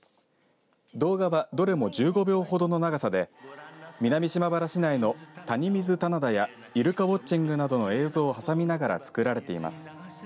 動画はどれも１５秒ほどの長さで南島原市内の谷川棚田やイルカウォッチングなどの映像を収めながら作られています。